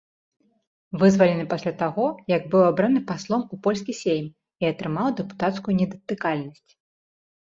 Вызвалены пасля таго, як быў абраны паслом у польскі сейм і атрымаў дэпутацкую недатыкальнасць.